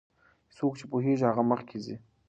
څوک چې پوهیږي هغه مخکې ځي.